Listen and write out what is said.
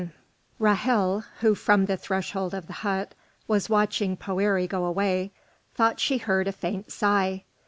XI Ra'hel, who from the threshold of the hut was watching Poëri go away, thought she heard a faint sigh.